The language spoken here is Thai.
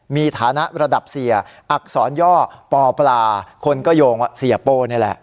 มีฐานะระดับเสียอักษรย่อปอปลาคนก็โยงว่าเสียโป้นี่แหละ